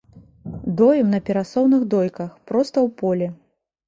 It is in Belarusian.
Доім на перасоўных дойках, проста ў полі.